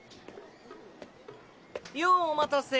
ようお待たせ。